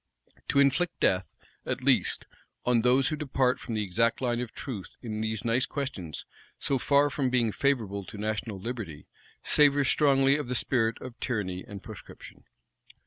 To inflict death, at least, on those who depart from the exact line of truth in these nice questions, so far from being favorable to national liberty, savors strongly of the spirit of tyranny and proscription.